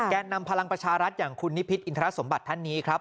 นำพลังประชารัฐอย่างคุณนิพิษอินทรสมบัติท่านนี้ครับ